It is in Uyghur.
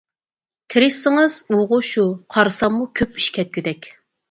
تېرىشسىڭىز. ئۇغۇ شۇ، قارىساممۇ كۆپ ئىش كەتكۈدەك.